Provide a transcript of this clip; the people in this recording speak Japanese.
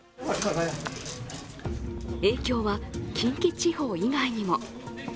影響は近畿地方以外にも。